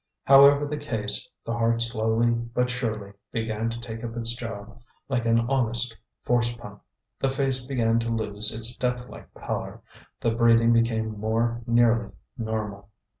However the case, the heart slowly but surely began to take up its job like an honest force pump, the face began to lose its death like pallor, the breathing became more nearly normal.